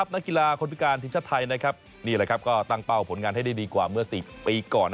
นักกีฬาคนพิการทีมชาติไทยนี่แหละครับก็ตั้งเป้าผลงานให้ได้ดีกว่าเมื่อ๔ปีก่อน